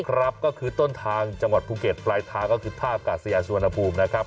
ก็คือต้นทางจังหวัดภูเก็ตปลายทางก็คือท่ากาศยาสุวรรณภูมินะครับ